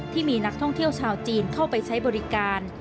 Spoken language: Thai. ที่มีนักท่องเที่ยวชาวจีนเข้าไปใช้บริการ